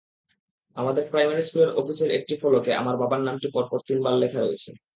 আমাদের প্রাইমারি স্কুলের অফিসের একটি ফলকে আমার বাবার নামটি পরপর তিনবার লেখা রয়েছে।